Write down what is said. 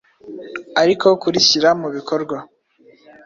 ariko kurishyira mu bikorwa